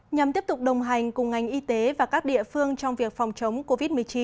nhằm tiếp tục đồng hành cùng ngành y tế và các địa phương trong việc phòng chống covid một mươi chín